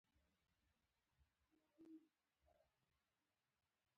کله چې ما د کاغذ یوه ټوټه را پورته کړه.